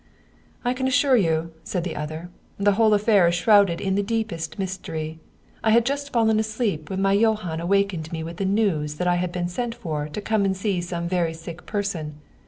" I can assure you," said the other, " the whole affair is shrouded in the deepest mystery. I had just fallen asleep when my Johann awakened me with the news that 'I had been sent for to come to some very sick person.